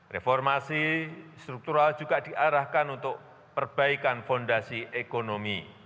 reformasi struktural juga diarahkan untuk perbaikan fondasi ekonomi